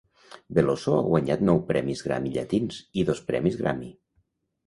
Veloso ha guanyat nou premis Grammy Llatins i dos premis Grammy.